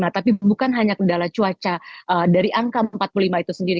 tapi bukan hanya kendala cuaca dari angka empat puluh lima itu sendiri